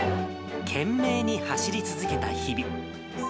懸命に走り続けた日々。